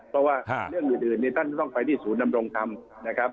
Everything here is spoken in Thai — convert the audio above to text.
เพราะว่าเรื่องอื่นท่านจะต้องไปที่ศูนย์ดำรงธรรมนะครับ